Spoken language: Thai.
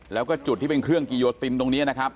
แล้วก็จุดที่เป็นเครื่องกิโยตินตรงนี้นะครับ